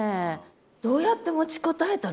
どうやって持ちこたえたの？